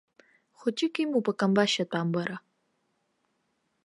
Хәыҷык имоуп акамбашь атәамбара.